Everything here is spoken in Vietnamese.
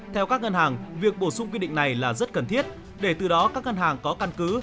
theo các ngân hàng việc bổ sung quy định này là rất cần thiết để từ đó các ngân hàng có căn cứ